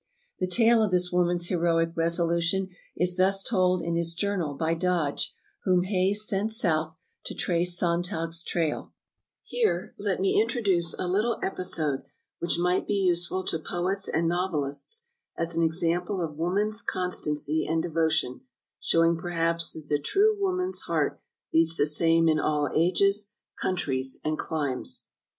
The tale of this woman's heroic resolution is thus told in his journal by Dodge, whom Hayes sent south to trace Sonntag's trail: "Here let me introduce a little episode which might be useful to poets and novelists as an example of woman's constancy and devotion, showing perhaps that the true woman's heart beats the same in all ages, countries, and climes.